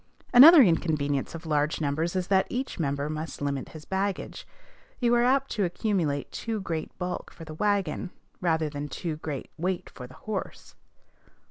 Another inconvenience of large numbers is that each member must limit his baggage. You are apt to accumulate too great bulk for the wagon, rather than too great weight for the horse.